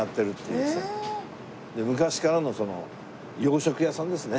昔からの洋食屋さんですね。